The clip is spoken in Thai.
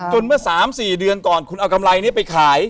จนเมื่อสามสี่เดือนก่อนคุณเอากำไรเนี่ยไปขาย